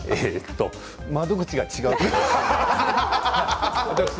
窓口が違う。